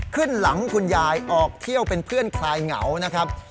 ขึ้นหลังคุณยายออกเที่ยวเป็นเพื่อนคลายเหงานะครับ